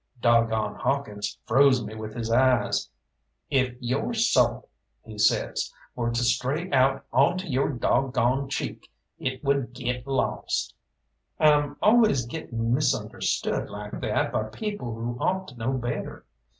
Dog gone Hawkins froze me with his eyes. "Ef your soul," he says, "were to stray out on to your dog goned cheek it would get lost!" I'm always getting misunderstood like that by people who ought to know better.